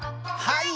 はい！